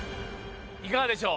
いかがでしょう？